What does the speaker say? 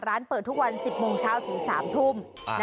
ร้านเปิดทุกวัน๑๐โมงเช้าถึง๓ทุ่ม